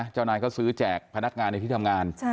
เจ้านายก็ซื้อแจกพนักงานในที่ทำงาน